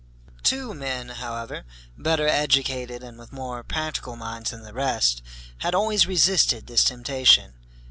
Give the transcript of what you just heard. Two men, however, better educated and with more practical minds than the rest, had always resisted this temptation.